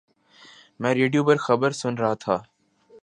میں ریڈیو پر خبر سن رہا تھا